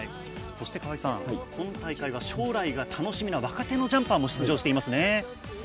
そして、河合さん、今大会は将来が楽しみな若手のジャンパーも出場していますね。